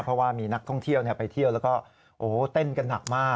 เพราะว่ามีนักท่องเที่ยวไปเที่ยวแล้วก็เต้นกันหนักมาก